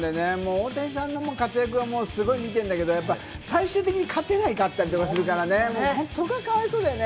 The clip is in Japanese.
大谷さんの活躍はもうすごい見てんだけれども、最終的に勝てなかったりするからね、そこがかわいそうだよね。